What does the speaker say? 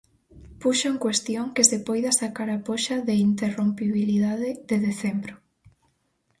Puxo en cuestión que se poida sacar a poxa de interrompibilidade de decembro.